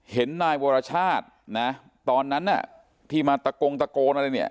เห็นนายวรชาตินะตอนนั้นน่ะที่มาตะโกงตะโกนอะไรเนี่ย